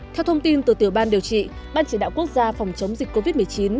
theo thông tin từ tiểu ban điều trị ban chỉ đạo quốc gia phòng chống dịch covid một mươi chín